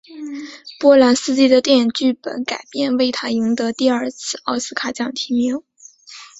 波兰斯基的电影剧本改编为他赢得第二次奥斯卡奖提名。